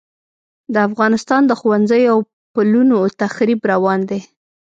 د افغانستان د ښوونځیو او پلونو تخریب روان دی.